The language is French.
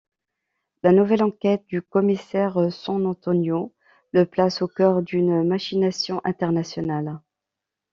La nouvelle enquête du commissaire San-Antonio le place au cœur d'une machination internationale.